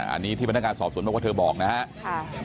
อันนี้ที่พนักงานสอบสวนบอกว่าเธอบอกนะครับ